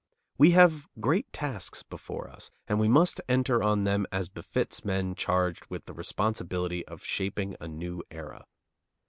We have great tasks before us, and we must enter on them as befits men charged with the responsibility of shaping a new era.